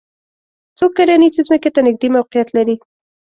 څوک کرنیزې ځمکې ته نږدې موقعیت لري